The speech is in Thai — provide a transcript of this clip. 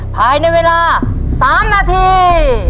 ภายในเวลา๓นาที